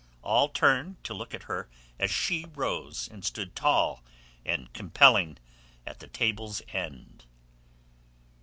All turned to look at her as she rose, and stood tall and compelling at the table's end.